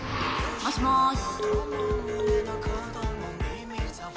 もしもーし？